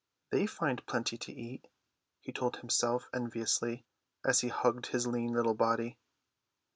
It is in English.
"They find plenty to eat," he told himself enviously, as he hugged his lean little body.